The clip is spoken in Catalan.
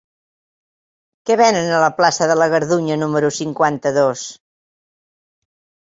Què venen a la plaça de la Gardunya número cinquanta-dos?